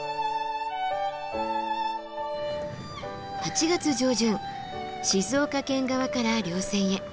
８月上旬静岡県側から稜線へ。